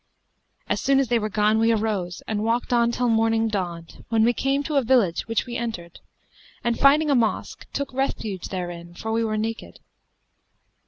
As soon as they were gone, we arose and walked on till morning dawned, when we came to a village which we entered, and finding a mosque took refuge therein for we were naked.